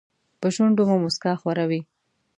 په شونډو مو موسکا خوره وي .